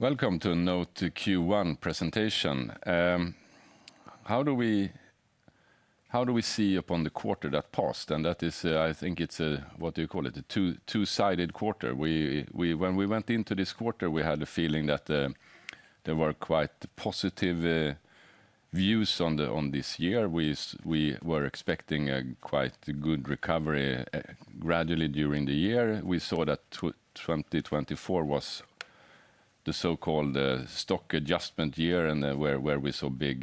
Welcome to NOTE Q1 presentation. How do we see upon the quarter that passed? I think it's a, what do you call it, a two-sided quarter. When we went into this quarter, we had a feeling that there were quite positive views on this year. We were expecting a quite good recovery gradually during the year. We saw that 2024 was the so-called stock adjustment year, and where we saw big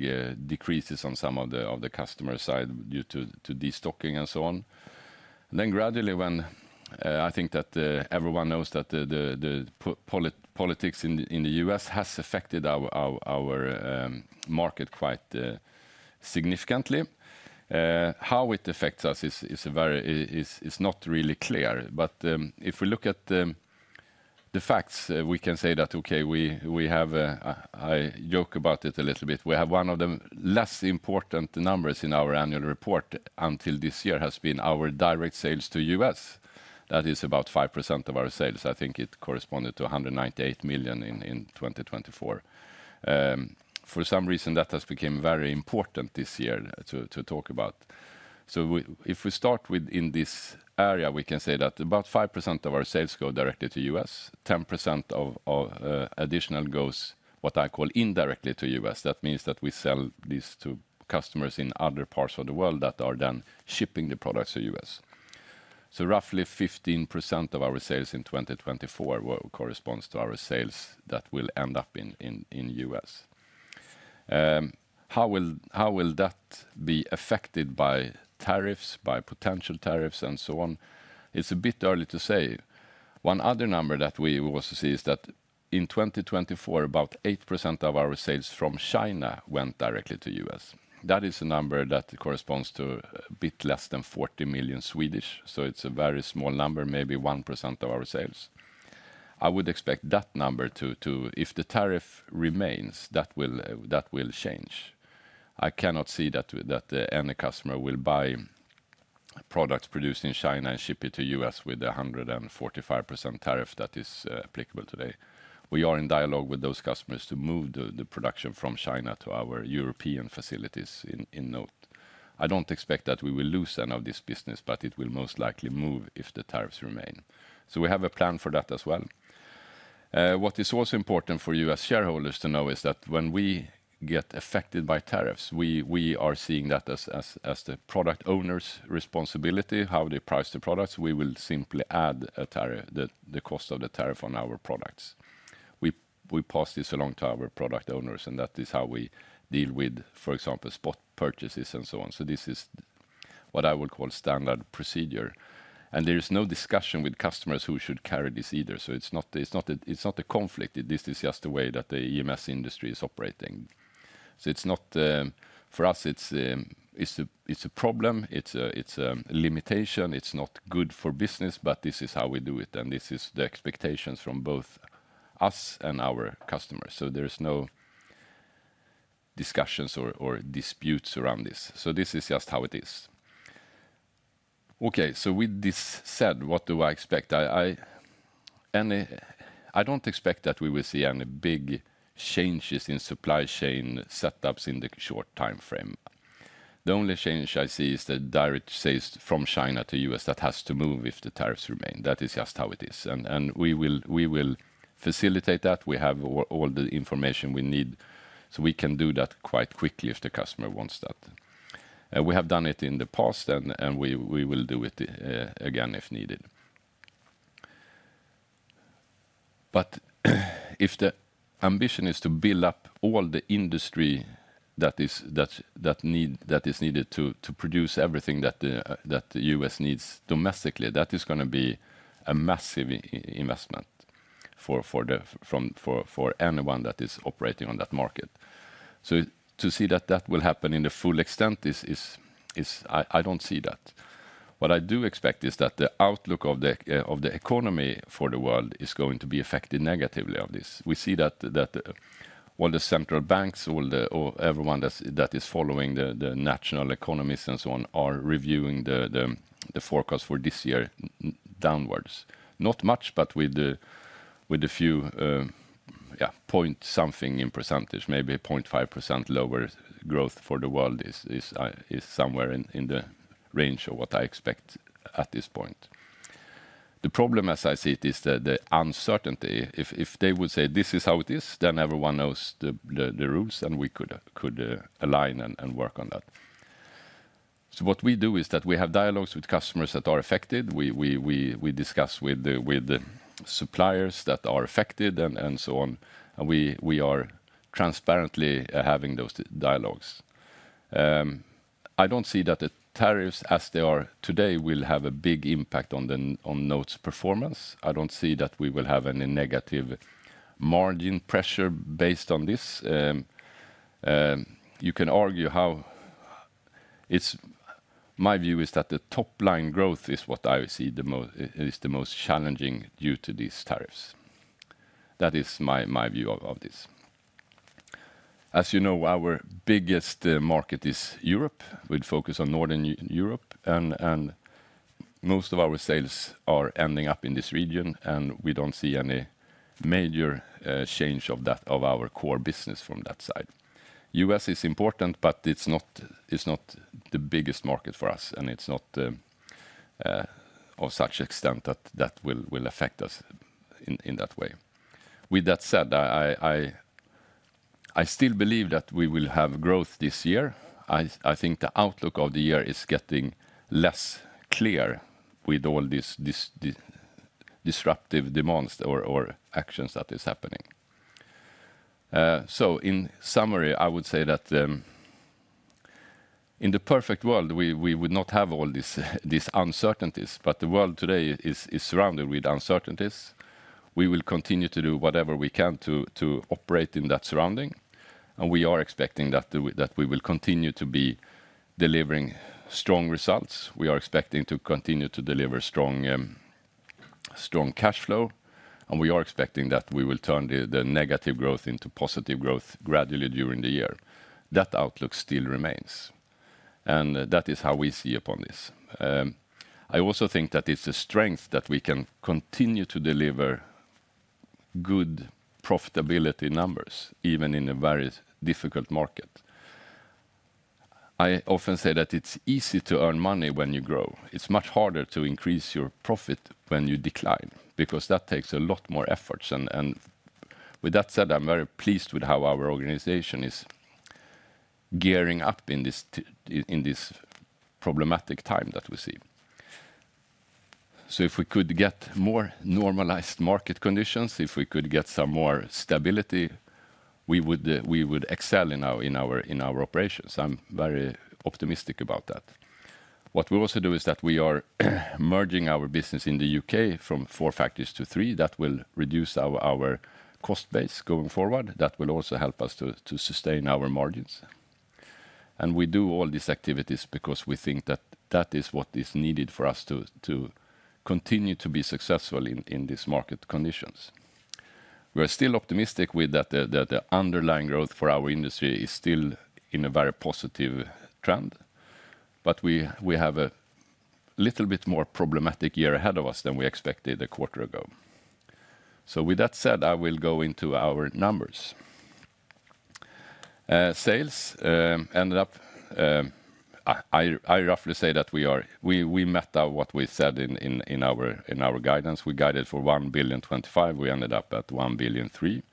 decreases on some of the customer side due to destocking and so on. Gradually, I think that everyone knows that the politics in the U.S. has affected our market quite significantly. How it affects us is not really clear. If we look at the facts, we can say that, okay, we have—I joke about it a little bit—we have one of the less important numbers in our annual report until this year has been our direct sales to the U.S. That is about 5% of our sales. I think it corresponded to 198 million in 2024. For some reason, that has become very important this year to talk about. If we start with in this area, we can say that about 5% of our sales go directly to the U.S., 10% additional goes, what I call, indirectly to the U.S. That means that we sell this to customers in other parts of the world that are then shipping the products to the U.S. Roughly 15% of our sales in 2024 corresponds to our sales that will end up in the U.S. How will that be affected by tariffs, by potential tariffs, and so on? It's a bit early to say. One other number that we also see is that in 2024, about 8% of our sales from China went directly to the U.S. That is a number that corresponds to a bit less than 40 million. So it's a very small number, maybe 1% of our sales. I would expect that number to, if the tariff remains, that will change. I cannot see that any customer will buy products produced in China and ship it to the U.S. with a 145% tariff that is applicable today. We are in dialogue with those customers to move the production from China to our European facilities in NOTE. I don't expect that we will lose any of this business, but it will most likely move if the tariffs remain. We have a plan for that as well. What is also important for U.S. shareholders to know is that when we get affected by tariffs, we are seeing that as the product owners' responsibility, how they price the products, we will simply add the cost of the tariff on our products. We pass this along to our product owners, and that is how we deal with, for example, spot purchases and so on. This is what I would call standard procedure. There is no discussion with customers who should carry this either. It is not a conflict. This is just the way that the EMS industry is operating. For us, it is a problem. It is a limitation. It is not good for business, but this is how we do it. This is the expectation from both us and our customers. There are no discussions or disputes around this. This is just how it is. Okay, with this said, what do I expect? I do not expect that we will see any big changes in supply chain setups in the short time frame. The only change I see is the direct sales from China to the U.S. that has to move if the tariffs remain. That is just how it is. We will facilitate that. We have all the information we need so we can do that quite quickly if the customer wants that. We have done it in the past, and we will do it again if needed. If the ambition is to build up all the industry that is needed to produce everything that the U.S. needs domestically, that is going to be a massive investment for anyone that is operating on that market. To see that that will happen in the full extent, I don't see that. What I do expect is that the outlook of the economy for the world is going to be affected negatively of this. We see that all the central banks, everyone that is following the national economies and so on are reviewing the forecast for this year downwards. Not much, but with a few points something in percentage, maybe 0.5% lower growth for the world is somewhere in the range of what I expect at this point. The problem, as I see it, is the uncertainty. If they would say, "This is how it is," then everyone knows the rules and we could align and work on that. What we do is that we have dialogues with customers that are affected. We discuss with the suppliers that are affected and so on. We are transparently having those dialogues. I do not see that the tariffs as they are today will have a big impact on NOTE's performance. I do not see that we will have any negative margin pressure based on this. You can argue how my view is that the top-line growth is what I see is the most challenging due to these tariffs. That is my view of this. As you know, our biggest market is Europe. We focus on Northern Europe, and most of our sales are ending up in this region, and we do not see any major change of our core business from that side. The U.S. is important, but it is not the biggest market for us, and it is not of such extent that that will affect us in that way. With that said, I still believe that we will have growth this year. I think the outlook of the year is getting less clear with all these disruptive demands or actions that are happening. In summary, I would say that in the perfect world, we would not have all these uncertainties, but the world today is surrounded with uncertainties. We will continue to do whatever we can to operate in that surrounding, and we are expecting that we will continue to be delivering strong results. We are expecting to continue to deliver strong cash flow, and we are expecting that we will turn the negative growth into positive growth gradually during the year. That outlook still remains, and that is how we see upon this. I also think that it's a strength that we can continue to deliver good profitability numbers even in a very difficult market. I often say that it's easy to earn money when you grow. It's much harder to increase your profit when you decline because that takes a lot more effort. With that said, I'm very pleased with how our organization is gearing up in this problematic time that we see. If we could get more normalized market conditions, if we could get some more stability, we would excel in our operations. I'm very optimistic about that. What we also do is that we are merging our business in the U.K. from four factories to three. That will reduce our cost base going forward. That will also help us to sustain our margins. We do all these activities because we think that that is what is needed for us to continue to be successful in these market conditions. We are still optimistic that the underlying growth for our industry is still in a very positive trend, but we have a little bit more problematic year ahead of us than we expected a quarter ago. With that said, I will go into our numbers. Sales ended up, I roughly say that we met what we said in our guidance. We guided for 1 billion 25. We ended up at 1 billion 3.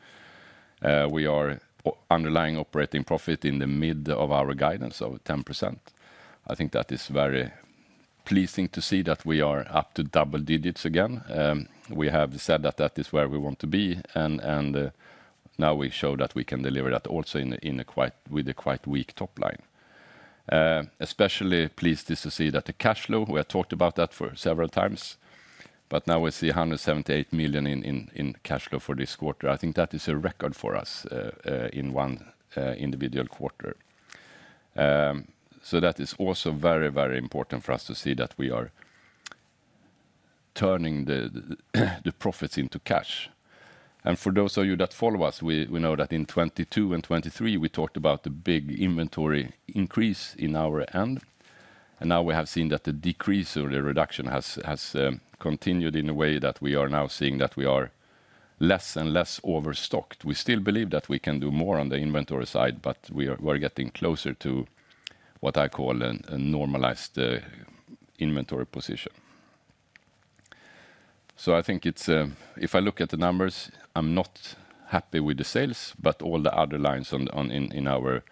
We are underlying operating profit in the mid of our guidance of 10%. I think that is very pleasing to see that we are up to double digits again. We have said that that is where we want to be, and now we show that we can deliver that also with a quite weak top line. Especially pleased is to see that the cash flow, we have talked about that for several times, but now we see 178 million in cash flow for this quarter. I think that is a record for us in one individual quarter. That is also very, very important for us to see that we are turning the profits into cash. For those of you that follow us, we know that in 2022 and 2023, we talked about the big inventory increase in our end. Now we have seen that the decrease or the reduction has continued in a way that we are now seeing that we are less and less overstocked. We still believe that we can do more on the inventory side, but we are getting closer to what I call a normalized inventory position. I think if I look at the numbers, I'm not happy with the sales, but all the other lines in our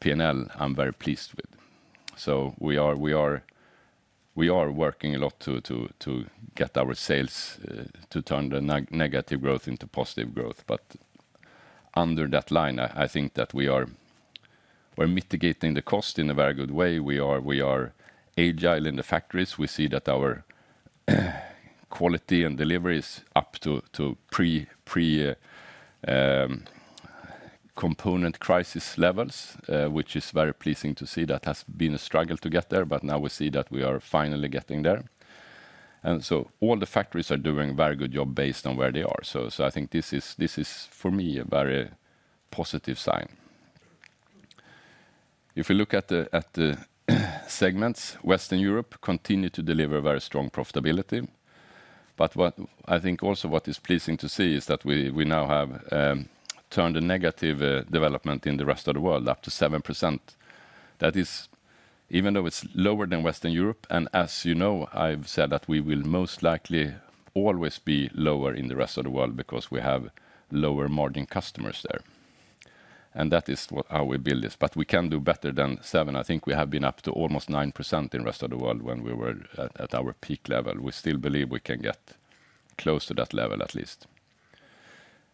P&L, I'm very pleased with. We are working a lot to get our sales to turn the negative growth into positive growth. Under that line, I think that we are mitigating the cost in a very good way. We are agile in the factories. We see that our quality and delivery is up to pre-component crisis levels, which is very pleasing to see. That has been a struggle to get there, but now we see that we are finally getting there. All the factories are doing a very good job based on where they are. I think this is, for me, a very positive sign. If we look at the segments, Western Europe continues to deliver very strong profitability. I think also what is pleasing to see is that we now have turned a negative development in the rest of the world up to 7%. That is, even though it's lower than Western Europe. As you know, I've said that we will most likely always be lower in the rest of the world because we have lower margin customers there. That is how we build this. We can do better than 7%. I think we have been up to almost 9% in the rest of the world when we were at our peak level. We still believe we can get close to that level at least.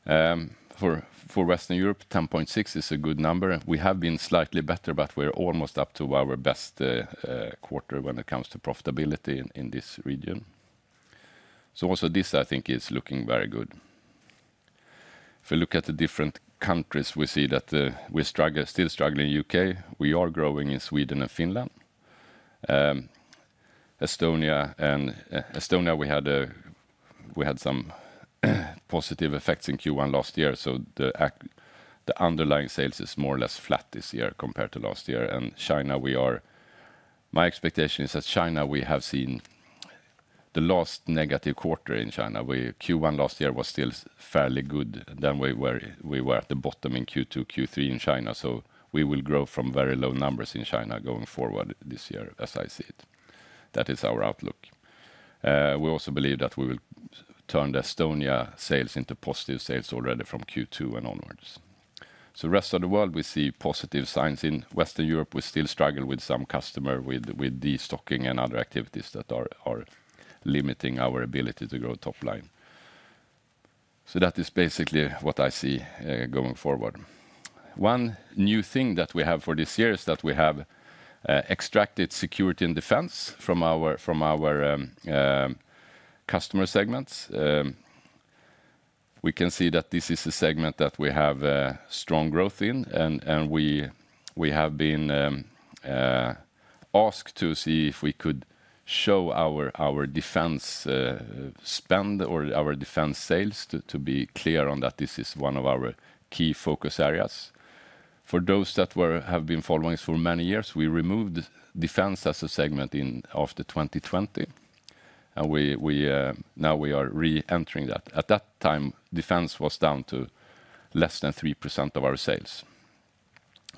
For Western Europe, 10.6% is a good number. We have been slightly better, but we're almost up to our best quarter when it comes to profitability in this region. Also, this, I think, is looking very good. If we look at the different countries, we see that we're still struggling in the U.K. We are growing in Sweden and Finland. Estonia, we had some positive effects in Q1 last year. The underlying sales is more or less flat this year compared to last year. China, my expectation is that China we have seen the last negative quarter in China. Q1 last year was still fairly good. We were at the bottom in Q2, Q3 in China. We will grow from very low numbers in China going forward this year, as I see it. That is our outlook. We also believe that we will turn the Estonia sales into positive sales already from Q2 and onwards. The rest of the world, we see positive signs. In Western Europe, we still struggle with some customer with destocking and other activities that are limiting our ability to grow top line. That is basically what I see going forward. One new thing that we have for this year is that we have extracted Security and defense from our customer segments. We can see that this is a segment that we have strong growth in, and we have been asked to see if we could show our defense spend or our defense sales to be clear on that this is one of our key focus areas. For those that have been following us for many years, we removed defense as a segment after 2020, and now we are re-entering that. At that time, Defense was down to less than 3% of our sales.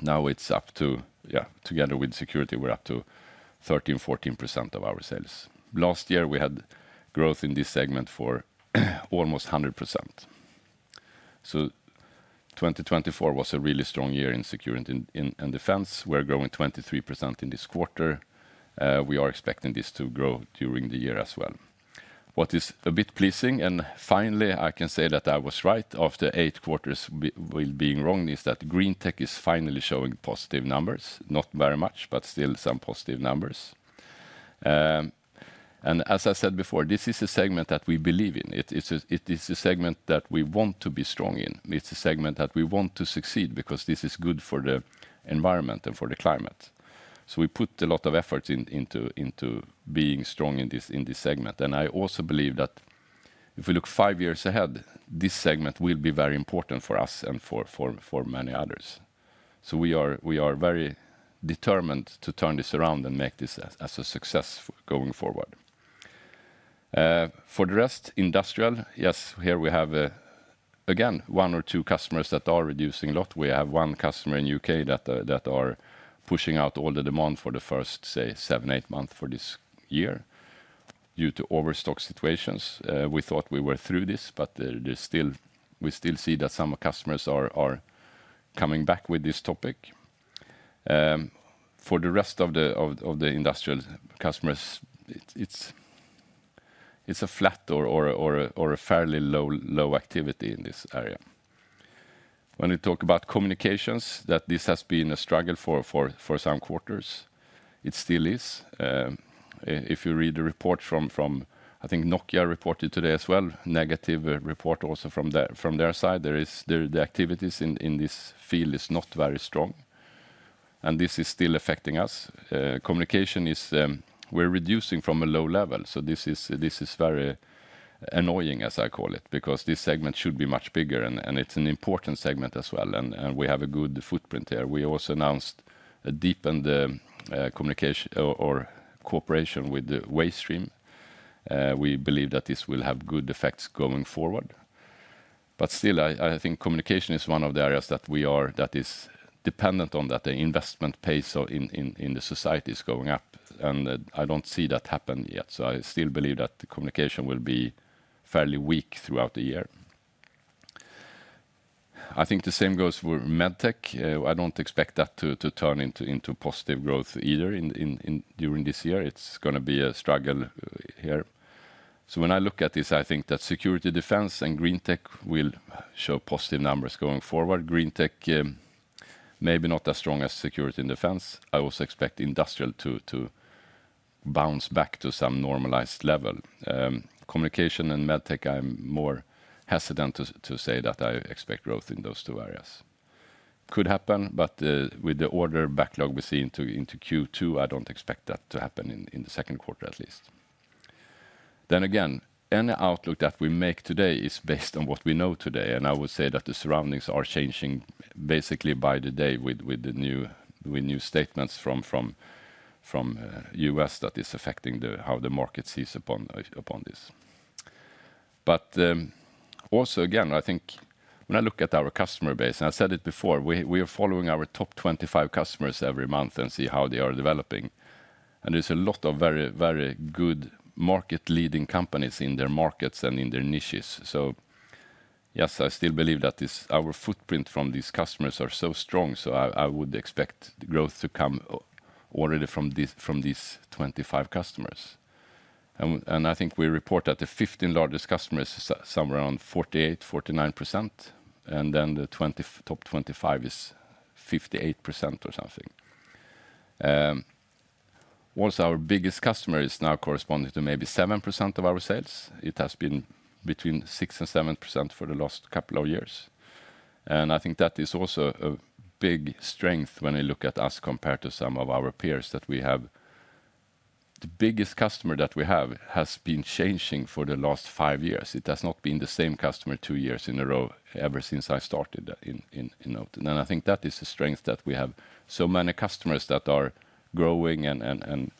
Now it's up to, together with security, we're up to 13%-14% of our sales. Last year, we had growth in this segment for almost 100%, so 2024 was a really strong year in Security and Defense. We're growing 23% in this quarter. We are expecting this to grow during the year as well. What is a bit pleasing, and finally, I can say that I was right after eight quarters being wrong, is that Greentech is finally showing positive numbers. Not very much, but still some positive numbers. As I said before, this is a segment that we believe in. It is a segment that we want to be strong in. It's a segment that we want to succeed because this is good for the environment and for the climate. We put a lot of effort into being strong in this segment. I also believe that if we look five years ahead, this segment will be very important for us and for many others. We are very determined to turn this around and make this a success going forward. For the rest, industrial, yes, here we have again one or two customers that are reducing a lot. We have one customer in the U.K. that are pushing out all the demand for the first, say, seven, eight months for this year due to overstock situations. We thought we were through this, but we still see that some customers are coming back with this topic. For the rest of the industrial customers, it is a flat or a fairly low activity in this area. When we talk about communications, this has been a struggle for some quarters. It still is. If you read the report from, I think Nokia reported today as well, negative report also from their side. The activities in this field are not very strong, and this is still affecting us. Communication, we're reducing from a low level. This is very annoying, as I call it, because this segment should be much bigger, and it's an important segment as well, and we have a good footprint here. We also announced a deepened cooperation with Waystream. We believe that this will have good effects going forward. But still I think communication is one of the areas that is dependent on the investment pace in the society going up, and I don't see that happen yet. I still believe that communication will be fairly weak throughout the year. I think the same goes for Medtech. I do not expect that to turn into positive growth either during this year. It is going to be a struggle here. When I look at this, I think that security, defense, and green tech will show positive numbers going forward. Green tech may be not as strong as security and defense. I also expect industrial to bounce back to some normalized level. Communication and Medtech, I am more hesitant to say that I expect growth in those two areas. Could happen, but with the order backlog we have seen into Q2, I do not expect that to happen in the second quarter at least. Then again, any outlook that we make today is based on what we know today, and I would say that the surroundings are changing basically by the day with the new statements from the U.S. that is affecting how the market sees upon this. Again, also I think when I look at our customer base, and I said it before, we are following our top 25 customers every month and see how they are developing. There are a lot of very, very good market-leading companies in their markets and in their niches. Yes, I still believe that our footprint from these customers is so strong, so I would expect growth to come already from these 25 customers. I think we report that the 15 largest customers are somewhere around 48%-49%, and then the top 25 is 58% or something. Also, our biggest customer is now corresponding to maybe 7% of our sales. It has been between 6% and 7% for the last couple of years. I think that is also a big strength when we look at us compared to some of our peers that we have. The biggest customer that we have has been changing for the last five years. It has not been the same customer two years in a row ever since I started in NOTE. I think that is a strength that we have so many customers that are growing and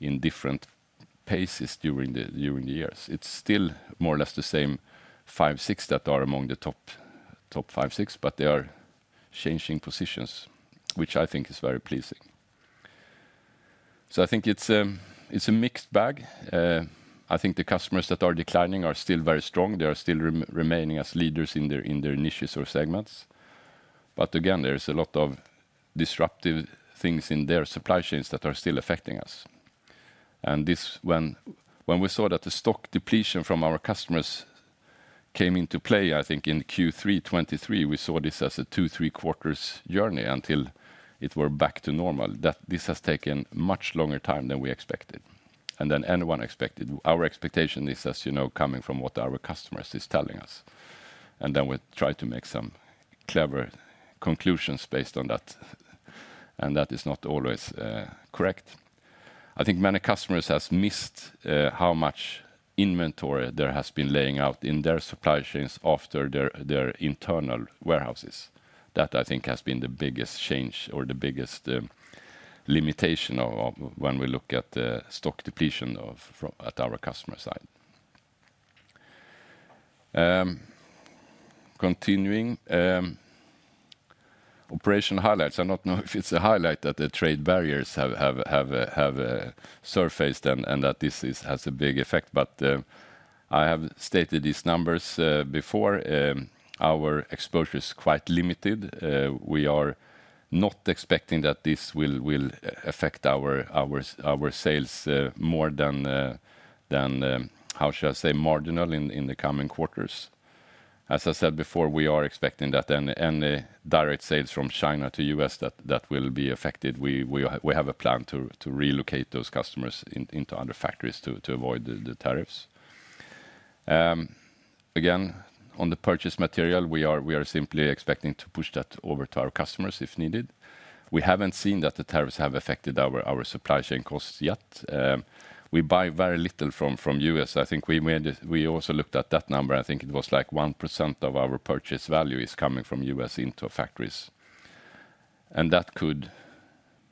in different paces during the years. It is still more or less the same five or six that are among the top five or six, but they are changing positions, which I think is very pleasing. I think it is a mixed bag. I think the customers that are declining are still very strong. They are still remaining as leaders in their niches or segments. There are a lot of disruptive things in their supply chains that are still affecting us. This is when we saw that the stock depletion from our customers came into play, I think in Q3 2023, we saw this as a two- to three-quarters journey until it was back to normal. This has taken much longer time than we expected. Our expectation is, as you know, coming from what our customers are telling us. We try to make some clever conclusions based on that, and that is not always correct. I think many customers have missed how much inventory there has been laying out in their supply chains after their internal warehouses. That, I think, has been the biggest change or the biggest limitation when we look at the stock depletion at our customer side. Continuing. Operation highlights. I don't know if it's a highlight that the trade barriers have surfaced and that this has a big effect, but I have stated these numbers before. Our exposure is quite limited. We are not expecting that this will affect our sales more than, how shall I say, marginal in the coming quarters. As I said before, we are expecting that any direct sales from China to the U.S. that will be affected. We have a plan to relocate those customers into other factories to avoid the tariffs. Again, on the purchase material, we are simply expecting to push that over to our customers if needed. We haven't seen that the tariffs have affected our supply chain costs yet. We buy very little from the U.S. I think we also looked at that number. I think it was like 1% of our purchase value is coming from the U.S. into factories. That could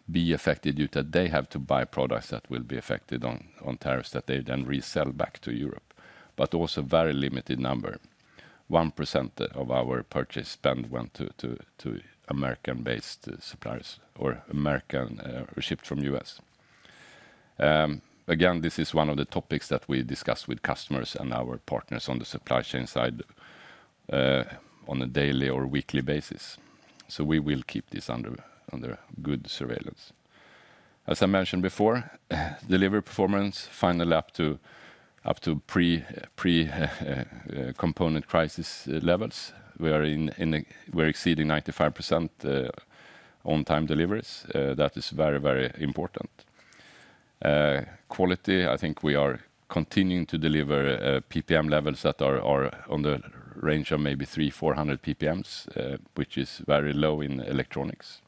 be affected due to that they have to buy products that will be affected on tariffs that they then resell back to Europe. Also a very limited number, 1% of our purchase spend went to American-based suppliers or shipped from the U.S. This is one of the topics that we discuss with customers and our partners on the supply chain side on a daily or weekly basis so we will keep this under good surveillance. As I mentioned before, delivery performance finally up to pre-component crisis levels. We are exceeding 95% on-time deliveries. That is very, very important. Quality, I think we are continuing to deliver PPM levels that are on the range of maybe 300-400 PPM, which is very low in electronics.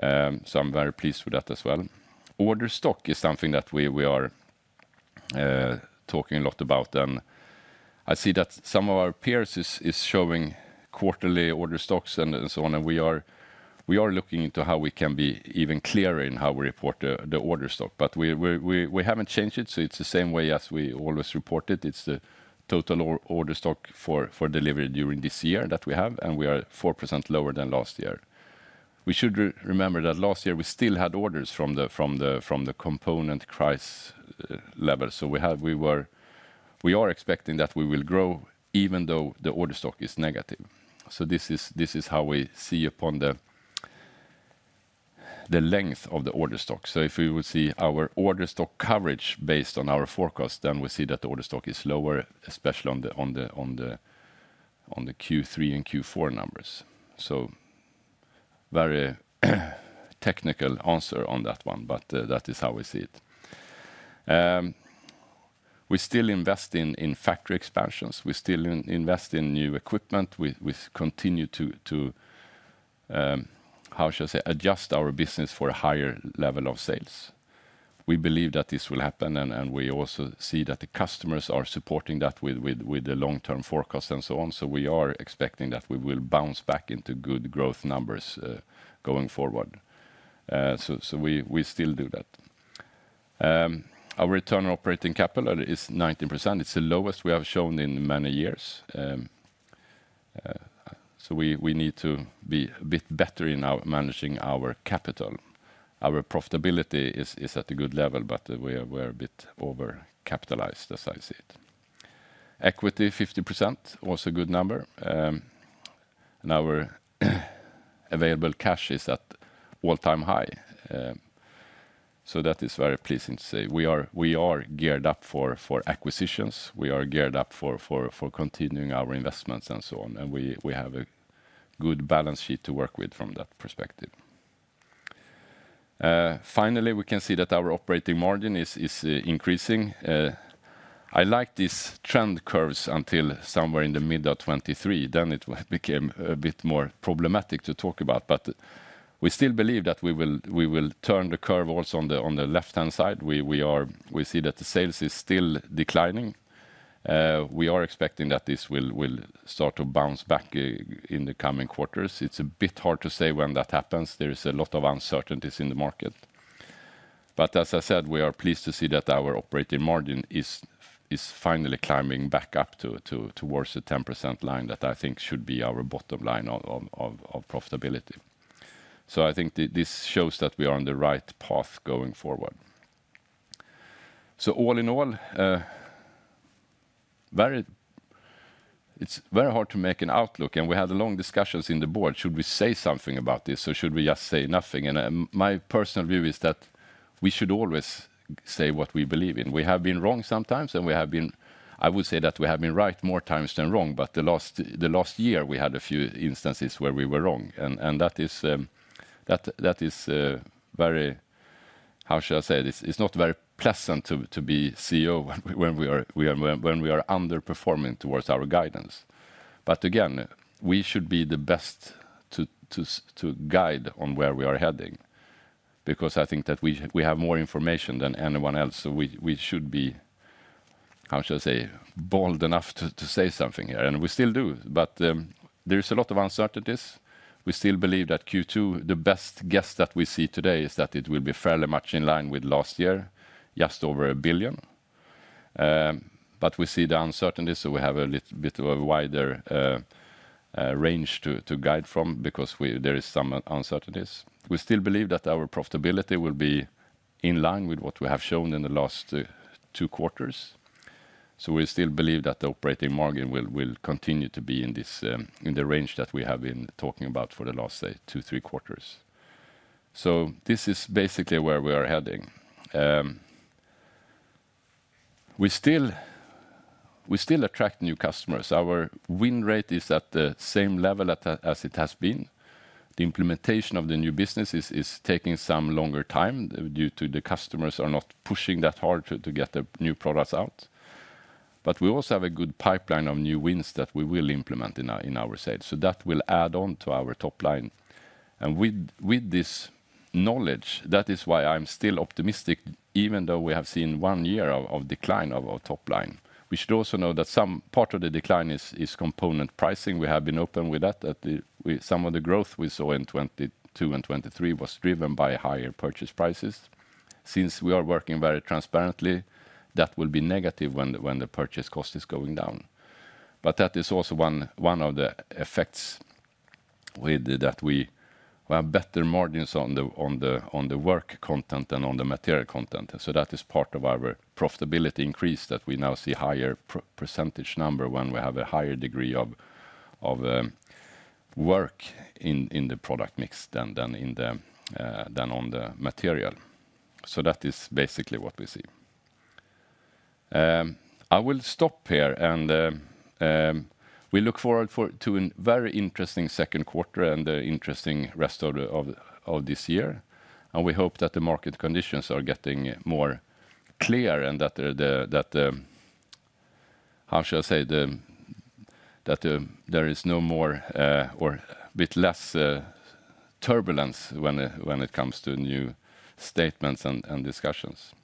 I'm very pleased with that as well. Order stock is something that we are talking a lot about. I see that some of our peers are showing quarterly order stocks and so on. We are looking into how we can be even clearer in how we report the order stock. We have not changed it, so it is the same way as we always report it. It is the total order stock for delivery during this year that we have, and we are 4% lower than last year. We should remember that last year we still had orders from the component price level. We are expecting that we will grow even though the order stock is negative. This is how we see upon the length of the order stock. If we would see our order stock coverage based on our forecast, then we see that the order stock is lower, especially on the Q3 and Q4 numbers. A very technical answer on that one, but that is how we see it. We still invest in factory expansions. We still invest in new equipment. We continue to, how shall I say, adjust our business for a higher level of sales. We believe that this will happen, and we also see that the customers are supporting that with the long-term forecast and so on. We are expecting that we will bounce back into good growth numbers going forward. We still do that. Our return on operating capital is 19%. It is the lowest we have shown in many years. We need to be a bit better in managing our capital. Our profitability is at a good level, but we are a bit over-capitalized, as I see it. Equity, 50%, also a good number. Our available cash is at all-time high. That is very pleasing to say. We are geared up for acquisitions. We are geared up for continuing our investments and so on. We have a good balance sheet to work with from that perspective. Finally, we can see that our operating margin is increasing. I liked these trend curves until somewhere in the mid of 2023. It became a bit more problematic to talk about, but we still believe that we will turn the curve also on the left-hand side. We see that the sales are still declining. We are expecting that this will start to bounce back in the coming quarters. It is a bit hard to say when that happens, there is a lot of uncertainties in the market. As I said, we are pleased to see that our operating margin is finally climbing back up towards the 10% line that I think should be our bottom line of profitability. I think this shows that we are on the right path going forward. All in all, it's very hard to make an outlook, and we had long discussions in the board. Should we say something about this, or should we just say nothing? My personal view is that we should always say what we believe in. We have been wrong sometimes, and I would say that we have been right more times than wrong. The last year, we had a few instances where we were wrong. That is very, how shall I say it, it's not very pleasant to be CEO when we are underperforming towards our guidance. Again, we should be the best to guide on where we are heading because I think that we have more information than anyone else. We should be, how shall I say, bold enough to say something here. We still do. There is a lot of uncertainties. We still believe that Q2, the best guess that we see today is that it will be fairly much in line with last year, just over 1 billion. We see the uncertainty, so we have a little bit of a wider range to guide from because there are some uncertainties. We still believe that our profitability will be in line with what we have shown in the last two quarters. We still believe that the operating margin will continue to be in the range that we have been talking about for the last, say, two or three quarters. This is basically where we are heading. We still attract new customers. Our win rate is at the same level as it has been. The implementation of the new business is taking some longer time due to the customers not pushing that hard to get the new products out. We also have a good pipeline of new wins that we will implement in our sales. That will add on to our top line. With this knowledge, that is why I'm still optimistic, even though we have seen one year of decline of our top line. We should also know that some part of the decline is component pricing. We have been open with that. Some of the growth we saw in 2022 and 2023 was driven by higher purchase prices. Since we are working very transparently, that will be negative when the purchase cost is going down. That is also one of the effects that we have better margins on the work content and on the material content. That is part of our profitability increase that we now see a higher percentage number when we have a higher degree of work in the product mix than on the material. That is basically what we see. I will stop here, and we look forward to a very interesting second quarter and the interesting rest of this year. We hope that the market conditions are getting more clear and that, how shall I say, that there is no more or a bit less turbulence when it comes to new statements and discussions.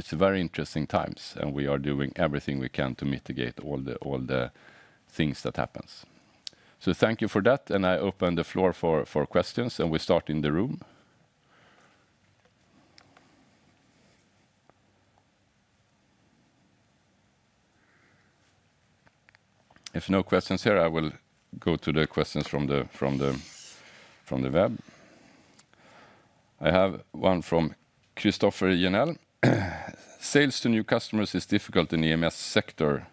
It is very interesting times, and we are doing everything we can to mitigate all the things that happen. Thank you for that, and I open the floor for questions, and we start in the room. If no questions here, I will go to the questions from the web. I have one from Christoffer Jennel. Sales to new customers is difficult in the EMS sector,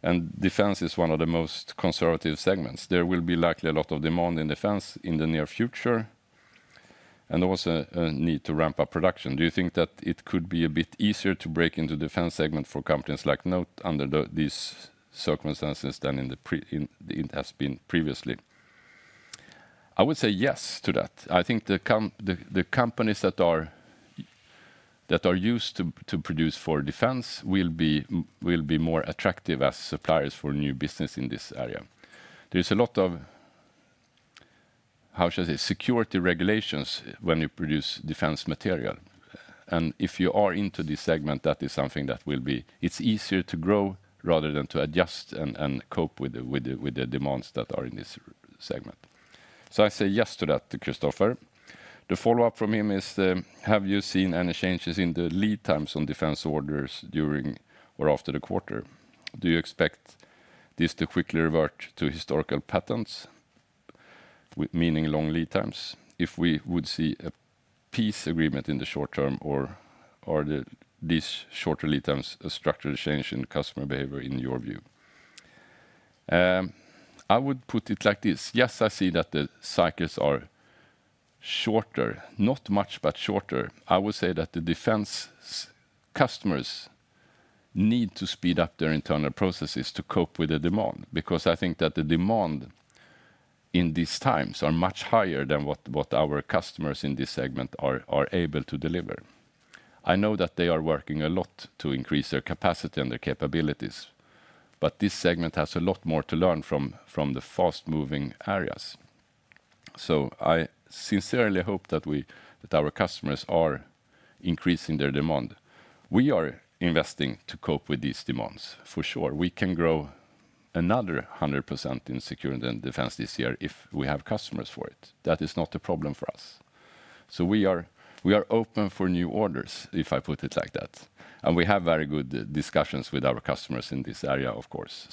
and defense is one of the most conservative segments. There will be likely a lot of demand in defense in the near future and also a need to ramp up production. Do you think that it could be a bit easier to break into the defense segment for companies like NOTE under these circumstances than it has been previously? I would say yes to that. I think the companies that are used to produce for defense will be more attractive as suppliers for new business in this area. There is a lot of, how shall I say, security regulations when you produce defense material. If you are into this segment, that is something that will be, it's easier to grow rather than to adjust and cope with the demands that are in this segment. I say yes to that, Christoffer. The follow-up from him is, have you seen any changes in the lead times on defense orders during or after the quarter? Do you expect this to quickly revert to historical patterns, meaning long lead times? If we would see a peace agreement in the short term, or are these shorter lead times a structural change in customer behavior in your view? I would put it like this. Yes, I see that the cycles are shorter, not much, but shorter. I would say that the defense customers need to speed up their internal processes to cope with the demand because I think that the demand in these times is much higher than what our customers in this segment are able to deliver. I know that they are working a lot to increase their capacity and their capabilities, but this segment has a lot more to learn from the fast-moving areas. I sincerely hope that our customers are increasing their demand. We are investing to cope with these demands, for sure. We can grow another 100% in security and defense this year if we have customers for it. That is not a problem for us. We are open for new orders, if I put it like that. We have very good discussions with our customers in this area, of course.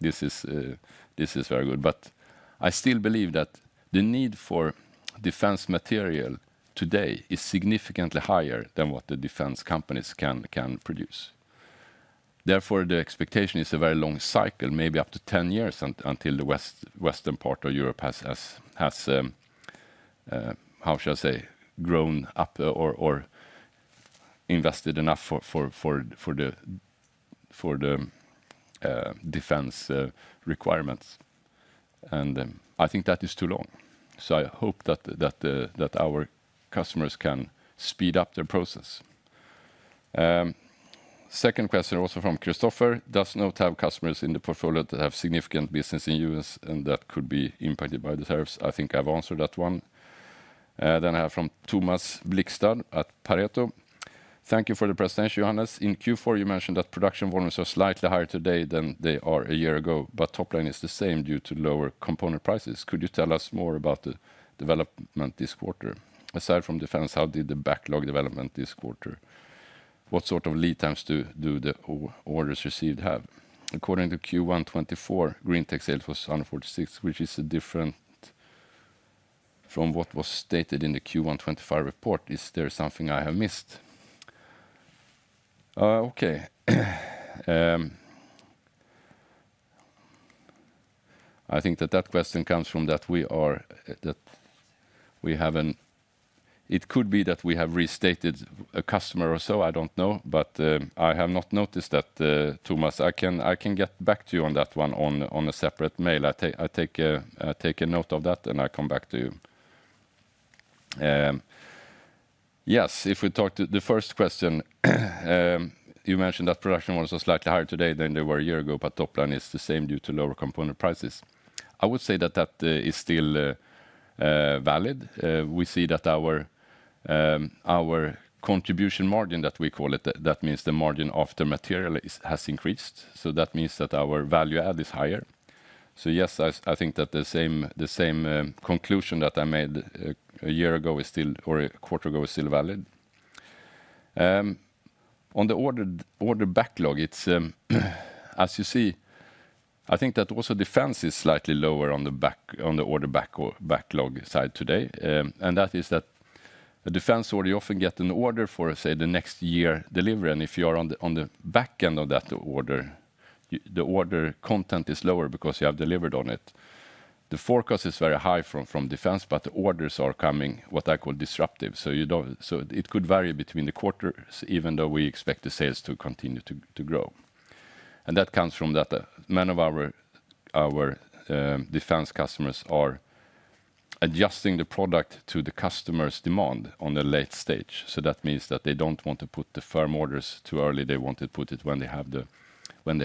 This is very good. I still believe that the need for defense material today is significantly higher than what the defense companies can produce. Therefore, the expectation is a very long cycle, maybe up to 10 years until the western part of Europe has, how shall I say, grown up or invested enough for the defense requirements. I think that is too long. I hope that our customers can speed up their process. Second question also from Christopher. Does NOTE have customers in the portfolio that have significant business in the U.S. and that could be impacted by the tariffs? I think I've answered that one. I have from Thomas Blixstad at Pareto. Thank you for the presentation, Johannes. In Q4, you mentioned that production volumes are slightly higher today than they are a year ago, but top line is the same due to lower component prices. Could you tell us more about the development this quarter? Aside from defense, how did the backlog develop this quarter? What sort of lead times do the orders received have? According to Q1 2024, green tech sales was 146 million, which is different from what was stated in the Q1 2025 report. Is there something I have missed? Okay. I think that that question comes from that we haven't, it could be that we have restated a customer or so, I don't know, but I have not noticed that, Thomas. I can get back to you on that one on a separate mail. I take a note of that and I come back to you. Yes, if we talk to the first question, you mentioned that production was slightly higher today than they were a year ago, but top line is the same due to lower component prices. I would say that that is still valid. We see that our contribution margin, that we call it, that means the margin after material has increased. That means that our value add is higher. Yes, I think that the same conclusion that I made a year ago or a quarter ago is still valid. On the order backlog, as you see, I think that also defense is slightly lower on the order backlog side today. That is that defense order, you often get an order for, say, the next year delivery. If you are on the back end of that order, the order content is lower because you have delivered on it. The forecast is very high from defense, but the orders are coming, what I call disruptive. It could vary between the quarters, even though we expect the sales to continue to grow. That comes from that many of our defense customers are adjusting the product to the customer's demand on the late stage. That means that they do not want to put the firm orders too early. They want to put it when they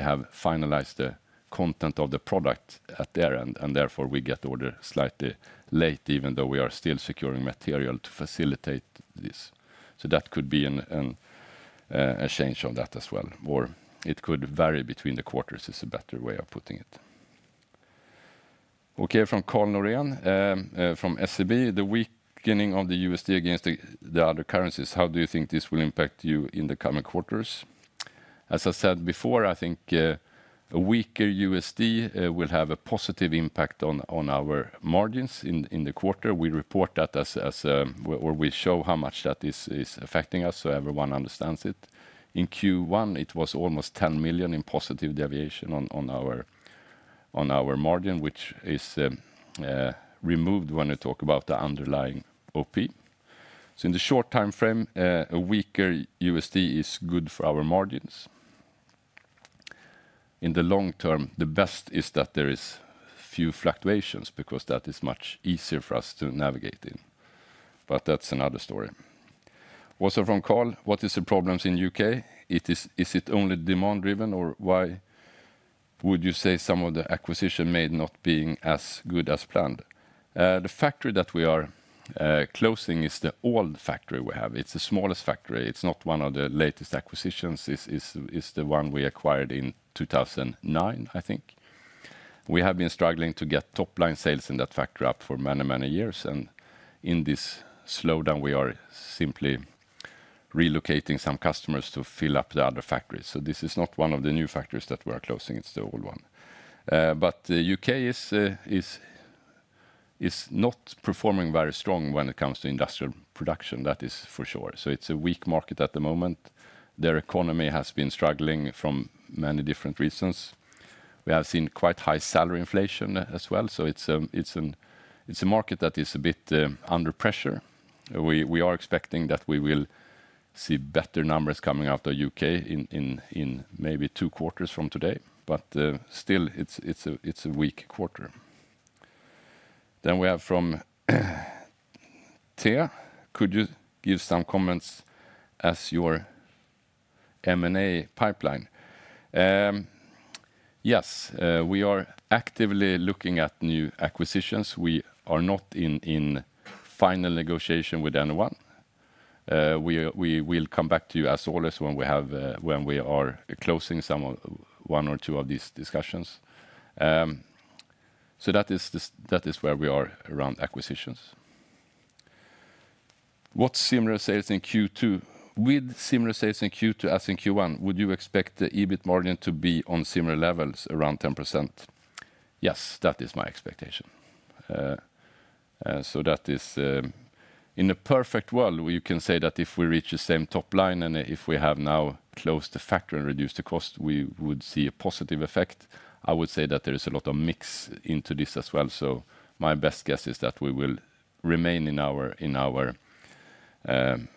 have finalized the content of the product at their end. Therefore, we get orders slightly late, even though we are still securing material to facilitate this. That could be a change on that as well. It could vary between the quarters is a better way of putting it. Okay, from Carl Norén from SEB, the weakening of the USD against the other currencies, how do you think this will impact you in the coming quarters? As I said before, I think a weaker USD will have a positive impact on our margins in the quarter. We report that as, or we show how much that is affecting us so everyone understands it. In Q1, it was almost $10 million in positive deviation on our margin, which is removed when we talk about the underlying OP. In the short time frame, a weaker USD is good for our margins. In the long term, the best is that there are few fluctuations because that is much easier for us to navigate in. That is another story. Also from Carl, what are the problems in the U.K.? Is it only demand-driven, or why would you say some of the acquisition may not be as good as planned? The factory that we are closing is the old factory we have. It's the smallest factory. It's not one of the latest acquisitions. It's the one we acquired in 2009, I think. We have been struggling to get top line sales in that factory up for many, many years. In this slowdown, we are simply relocating some customers to fill up the other factories. This is not one of the new factories that we are closing. It's the old one. The U.K. is not performing very strong when it comes to industrial production. That is for sure. It's a weak market at the moment. Their economy has been struggling from many different reasons. We have seen quite high salary inflation as well. It's a market that is a bit under pressure. We are expecting that we will see better numbers coming out of the U.K. in maybe two quarters from today. It is still a weak quarter. We have from Thea, could you give some comments as your M&A pipeline? Yes, we are actively looking at new acquisitions. We are not in final negotiation with anyone. We will come back to you as always when we are closing one or two of these discussions. That is where we are around acquisitions. With similar sales in Q2 as in Q1, would you expect the EBIT margin to be on similar levels, around 10%? Yes, that is my expectation. That is, in a perfect world, you can say that if we reach the same top line and if we have now closed the factory and reduced the cost, we would see a positive effect. I would say that there is a lot of mix into this as well. My best guess is that we will remain in our span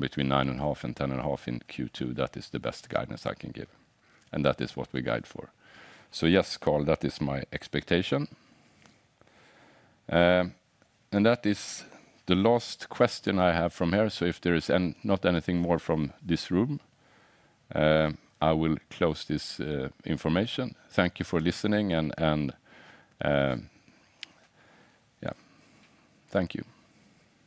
between 9.5-10.5 in Q2. That is the best guidance I can give. That is what we guide for. Yes, Carl, that is my expectation. That is the last question I have from here. If there is not anything more from this room, I will close this information. Thank you for listening. Thank you.